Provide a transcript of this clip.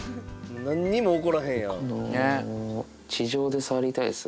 何にも怒らへんやん。